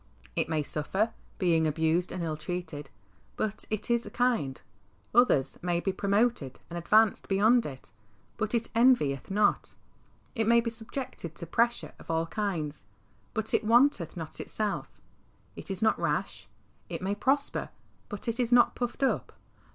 It may suffer, being abused and ill treated, but it " is kind." Others may be promoted and advanced beyond it, but it " envieth not." It may be subjected to pressure of all kinds, but it " vaunteth not . itself." It is not rash. It may prosper, but it " is not puffed up."